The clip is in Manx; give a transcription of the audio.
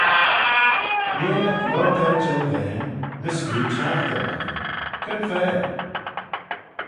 Nhare lhiat loayrt er y çhellvane ny screeu çhaghteraghtyn? Cre'n fa?